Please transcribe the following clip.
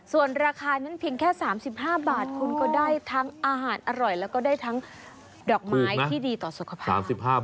ส่วนราคานั้นเพียงแค่๓๕บาทคุณก็ได้ทั้งอาหารอร่อยแล้วก็ได้ทั้งดอกไม้ที่ดีต่อสุขภาพ